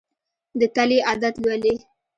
د تلې عدد لولي.